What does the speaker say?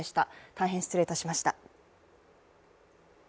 大変失礼いたしました。